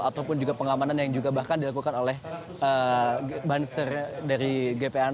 ataupun juga pengamanan yang juga bahkan dilakukan oleh banser dari gpn